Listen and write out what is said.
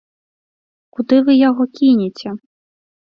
Куды вы яго кінеце?